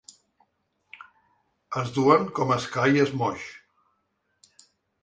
Es duen com es ca i es moix